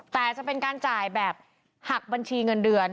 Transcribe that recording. แต่จะเป็นการจ่ายแบบหักบัญชีเงินเดือน